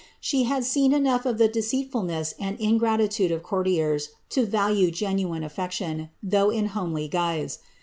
She enough of the deceitfulness and ingratitude of courtiers to value ifSection, though in homely guise.